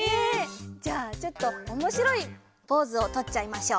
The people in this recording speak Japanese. じゃあちょっとおもしろいポーズをとっちゃいましょう。